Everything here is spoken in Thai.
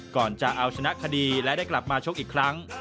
ก่อนจะเอาชนะคดีและได้กลับมาชกอีกครั้ง